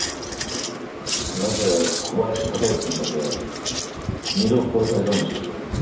なぜ小林孝之さんだけ二度殺されたんでしょうか？